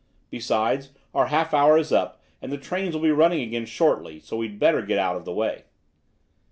Besides, our half hour is about up, and the trains will be running again shortly, so we'd better get out of the way."